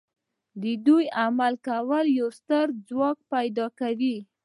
دوی د عمل کولو یو ستر ځواک پیدا کوي